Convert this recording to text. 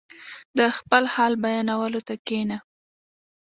• د خپل حال بیانولو ته کښېنه.